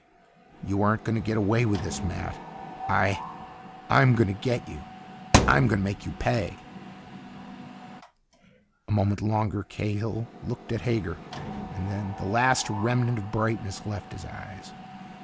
"You aren't going to get away with this, Matt. I ... I'm going to get you. I'm going to make you pay." A moment longer Cahill looked at Hager. And then the last remnant of brightness left his eyes.